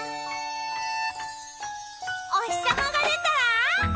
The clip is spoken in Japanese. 「おひさまがでたらわーい！